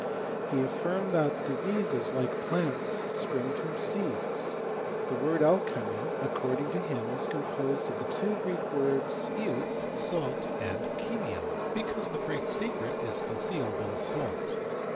He affirmed that diseases, bke plants, spring from seeds. The word alchymy, ac cording to him, is composed of the two Greek words Skg (salt) and xw^^^ because the great secret is con cealed in salt.